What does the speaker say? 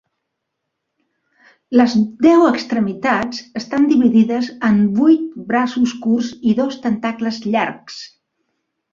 Les deu extremitats estan dividides en vuit braços curts i dos tentacles llargs.